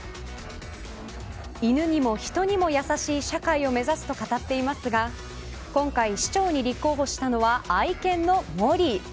犬にも人にも優しい社会を目指すと語っていますが今回、市長に立候補したのは愛犬のモリー。